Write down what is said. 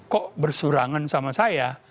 kok berseberangan sama saya